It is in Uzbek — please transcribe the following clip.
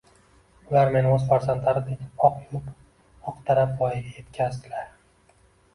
Ular meni o‘z farzandlaridek oq yuvib, oq tarab voyaga yetkazdilar.